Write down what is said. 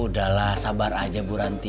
kali saya beli buku itu